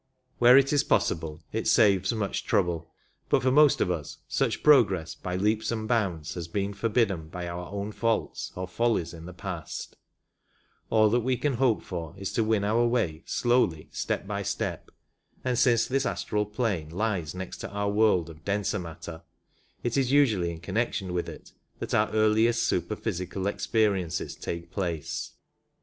Where it is possible it saves much trouble, but for most of us such progress by leaps and bounds has been forbidden by our own faults or follies in the past : all that we can hope for is to win our way slowly step by step, and since this astral plane lies next to our world of denser matter, it is usually in connection with it that our earliest super physical experiences take place.